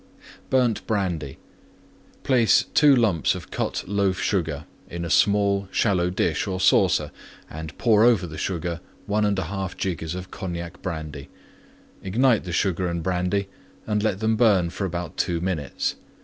BURNT BRANDY Place two lumps of Cut Loaf Sugar in a small, shallow dish or saucer and pour over the Sugar 1 1/2 jiggers of Cognac Brandy. Ignite the Sugar and Brandy and let them burn for about two minutes.